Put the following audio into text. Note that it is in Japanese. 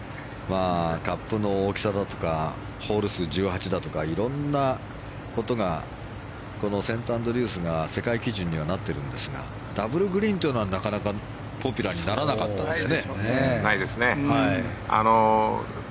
カップの大きさだとかホール数１８だとか色んなことがこのセントアンドリュースが世界基準にはなってるんですがダブルグリーンというのはなかなかポピュラーにならなかったですね。